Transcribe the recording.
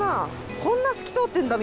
こんな透き通ってんだ水。